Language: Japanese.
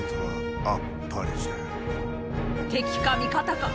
敵か味方か